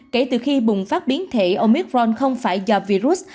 kể từ khi bùng phát biến thể omicron không phải do virus